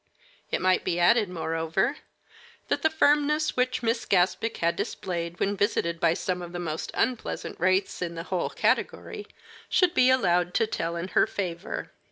It might be added, moreover, that the firmness which Miss Gaspic had displayed when visited by some of the most unpleasant wraiths in the whole category should be allowed to tell in her favor.